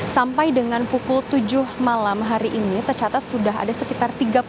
sampai dengan pukul tujuh malam hari ini tercatat sudah ada sekitar tiga puluh